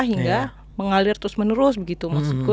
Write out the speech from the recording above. hingga mengalir terus menerus gitu